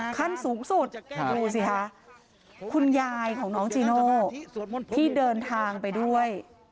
ขั้นสูงสุดดูสิคะคุณยายของน้องจีโน่ที่เดินทางไปด้วย